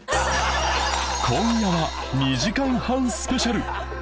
今夜は２時間半スペシャル